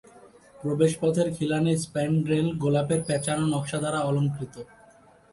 প্রবেশপথের খিলানের স্প্যানড্রেল গোলাপের প্যাঁচানো নকশা দ্বারা অলঙ্কৃত।